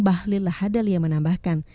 bahlil lahadalia menambahkan